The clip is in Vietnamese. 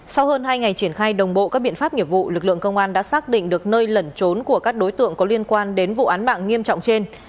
sau hơn hai ngày triển khai đồng bộ các biện pháp nghiệp vụ lực lượng công an đã xác định được nơi lẩn trốn của các đối tượng có liên quan đến vụ án mạng nghiêm trọng trên